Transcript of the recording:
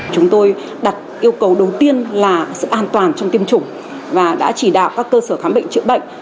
chúng tôi đặt yêu cầu đầu tiên là sự an toàn trong tiêm chủng và đã chỉ đạo các cơ sở khám bệnh chữa bệnh